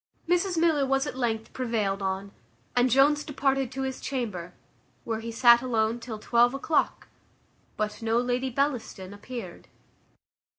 Mrs Miller was at length prevailed on, and Jones departed to his chamber, where he sat alone till twelve o'clock, but no Lady Bellaston appeared.